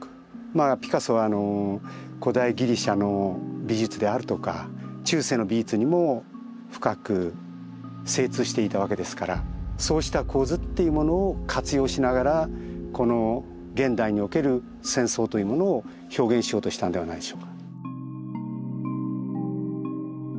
まあピカソは古代ギリシャの美術であるとか中世の美術にも深く精通していたわけですからそうした構図っていうものを活用しながら現代における戦争というものを表現しようとしたんではないでしょうか。